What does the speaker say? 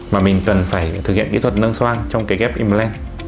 và mình cần phải thực hiện kỹ thuật nâng xoang trong cái ghép implant